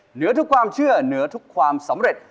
เหนือทุกความเชื่อเหนือทุกความสำเร็จ